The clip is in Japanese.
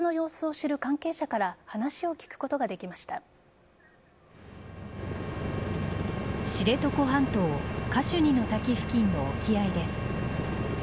知床半島カシュニの滝付近の沖合です。